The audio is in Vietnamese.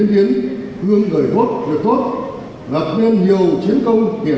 điển hình tiên tiến